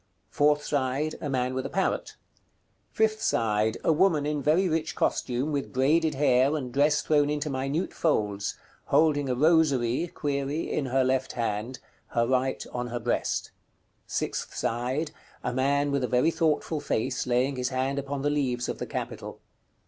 Fourth side. A man with a parrot. Fifth side. A woman in very rich costume, with braided hair, and dress thrown into minute folds, holding a rosary(?) in her left hand, her right on her breast. Sixth side. A man with a very thoughtful face, laying his hand upon the leaves of the capital.